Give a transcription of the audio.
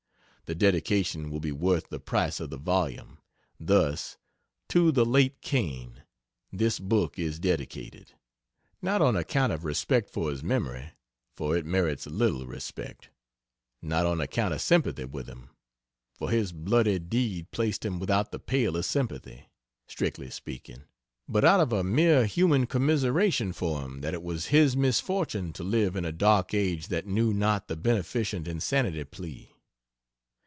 The dedication will be worth the price of the volume thus: To the Late Cain. This Book is Dedicated: Not on account of respect for his memory, for it merits little respect; not on account of sympathy with him, for his bloody deed placed him without the pale of sympathy, strictly speaking: but out of a mere human commiseration for him that it was his misfortune to live in a dark age that knew not the beneficent Insanity Plea.